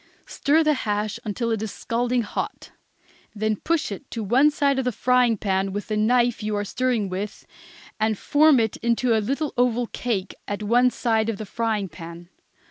Stir the hash until it is scalding hot; then push it to one side of the frying pan with the knife you are stirring it with, and form it into a little oval cake at one side of the frying pan.